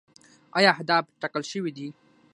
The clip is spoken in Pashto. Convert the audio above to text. آیا اهداف ټاکل شوي دي؟